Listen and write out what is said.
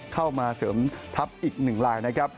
เข้ามาเสริมทัพอีก๑ลายนะครับ